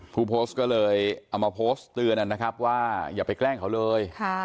ผู้โพสต์ก็เลยเอามาโพสต์เตือนนะครับว่าอย่าไปแกล้งเขาเลย